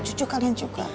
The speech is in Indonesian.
cucu kalian juga